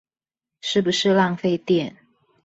是不是浪費電